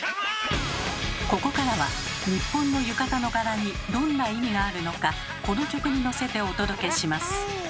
ここからは日本の浴衣の柄にどんな意味があるのかこの曲にのせてお届けします。